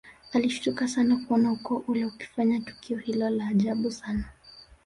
Alishtuka sana kuona ukoo ule ukifanya tukio hilo la ajabu sana